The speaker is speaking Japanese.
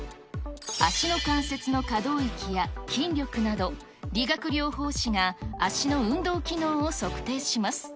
足の関節の可動域や筋力など、理学療法士が足の運動機能を測定します。